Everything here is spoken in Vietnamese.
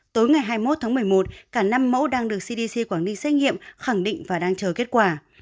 tối ngày hai mươi một tháng một mươi một cả năm mẫu đang được cdc quảng ninh xét nghiệm khẳng định và đang chờ kết quả